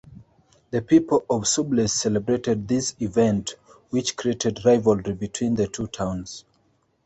The people of Subles celebrated this event which created rivalry between the two towns.